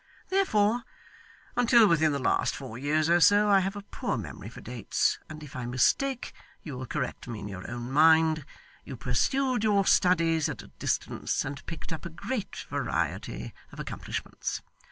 Therefore, until within the last four years or so I have a poor memory for dates, and if I mistake, you will correct me in your own mind you pursued your studies at a distance, and picked up a great variety of accomplishments.